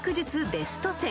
ベスト１０］